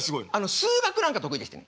数学なんか得意でしてね。